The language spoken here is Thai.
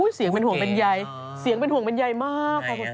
อุ้ยเสียงเป็นห่วงเป็นใยมาก